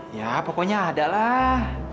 ya pokoknya ada lah